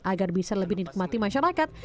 agar bisa lebih dinikmati masyarakat